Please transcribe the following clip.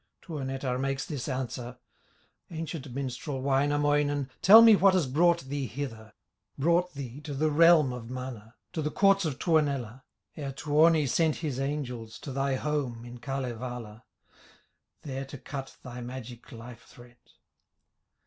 Tuonetar makes this answer: "Ancient minstrel, Wainamoinen, Tell me what has brought thee hither, Brought thee to the realm of Mana, To the courts of Tuonela, Ere Tuoni sent his angels To thy home in Kalevala, There to cut thy magic life thread."